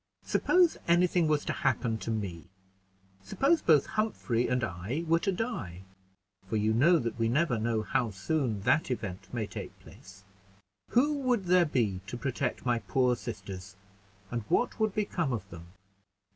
Suppose anything was to happen to me suppose both Humphrey and I were to die for you know that we never know how soon that event may take place who would there be to protect my poor sisters, and what would become of them?